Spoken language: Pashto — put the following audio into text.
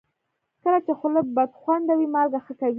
کله چې خوله بدخوند وي، مالګه ښه کوي.